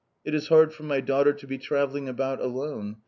It is hard for my daughter to be travelling about alone.